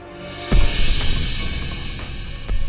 emang kenapa sih